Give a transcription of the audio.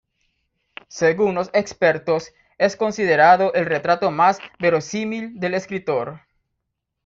Según los expertos, es considerado el retrato más verosímil del escritor.